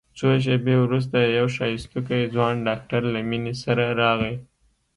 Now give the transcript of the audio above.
څو شېبې وروسته يو ښايستوکى ځوان ډاکتر له مينې سره راغى.